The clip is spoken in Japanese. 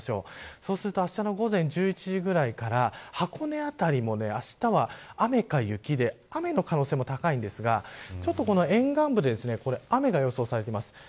そうするとあしたの午前１１時ぐらいから箱根辺りもあしたは、雨か雪で雨の可能性も高いんですがちょっとこの沿岸部で雨が予想されています。